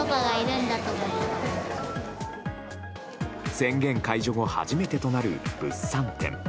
宣言解除後初めてとなる物産展。